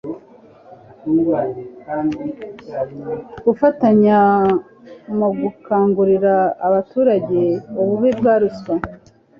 gufatanya mu gukangurira abaturage ububi bwa ruswa